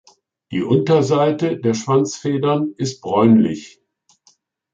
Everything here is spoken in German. Die Unterseite der Schwanzfedern ist bräunlich.